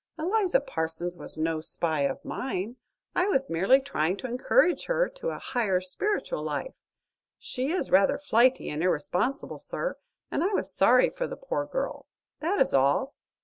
Eliza Parsons was no spy of mine. I was merely trying to encourage her to a higher spiritual life. She is rather flighty and irresponsible, sir, and I was sorry for the poor girl. That is all.